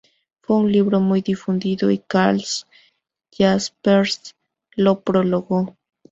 Fue un libro muy difundido, y Karl Jaspers lo prologó.